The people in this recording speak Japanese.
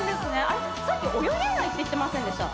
あれっさっき泳げないって言ってませんでした？